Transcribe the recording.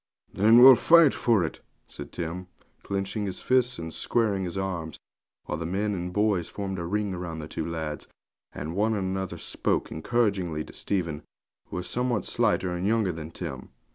'Then we'll fight for it,' said Tim, clenching his fists and squaring his arms, while the men and boys formed a ring round the two lads, and one and another spoke encouragingly to Stephen, who was somewhat slighter and younger than Tim.